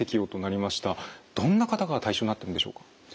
どんな方が対象になってるんでしょうか？